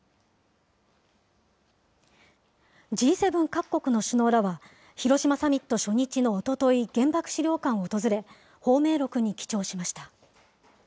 Ｇ７各国の首脳らは、広島サミット初日のおととい、原爆資料館を訪れ、芳名録に記帳しました。